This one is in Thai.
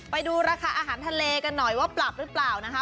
ไปดูราคาอาหารทะเลกันหน่อยว่าปรับหรือเปล่านะคะ